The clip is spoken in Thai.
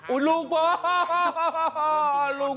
อุ้ยลูกบ่ลูกบ่